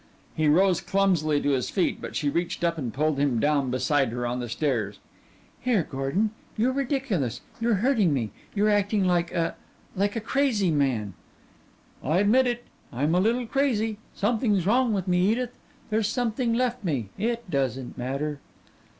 He rose clumsily to his feet, but she reached up and pulled him down beside her on the stairs. "Here, Gordon. You're ridiculous. You're hurting me. You're acting like a like a crazy man " "I admit it. I'm a little crazy. Something's wrong with me, Edith. There's something left me. It doesn't matter."